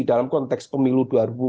dalam konteks pemilu dua ribu dua puluh